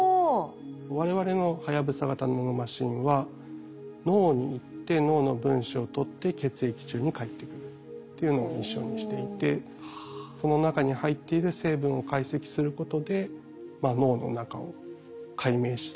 我々のはやぶさ型ナノマシンは脳に行って脳の分子を取って血液中に帰ってくるっていうのをミッションにしていてその中に入っている成分を解析することでなるほど。